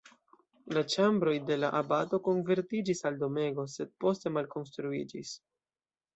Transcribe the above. La ĉambroj de la abato konvertiĝis al domego, sed poste malkonstruiĝis.